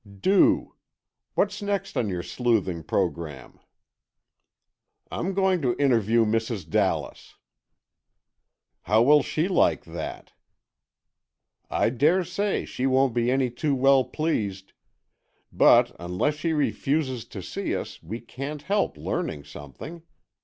"Do. What's next on your sleuthing program?" "I'm going to interview Mrs. Dallas." "How will she like that?" "I daresay she won't be any too well pleased. But, unless she refuses to see us, we can't help learning something.